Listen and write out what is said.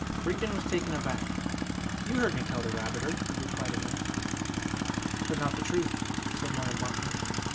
Rigden was taken aback. "You heard me tell that rabbiter," he replied at length. "But not the truth," said Moya bluntly.